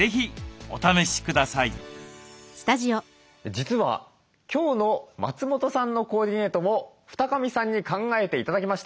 実は今日の松本さんのコーディネートも二神さんに考えて頂きました。